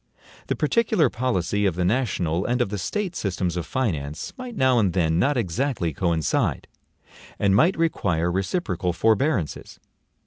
The particular policy of the national and of the State systems of finance might now and then not exactly coincide, and might require reciprocal forbearances.